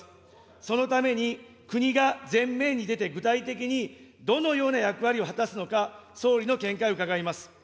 そのために、国が前面に出て具体的にどのような役割を果たすのか、総理の見解を伺います。